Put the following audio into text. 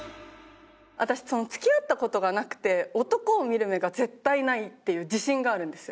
私付き合った事がなくて男を見る目が絶対ないっていう自信があるんですよ。